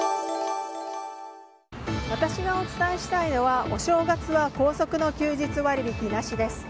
私がお伝えしたいのはお正月は高速の休日割引ナシです。